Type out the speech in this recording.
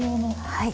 はい。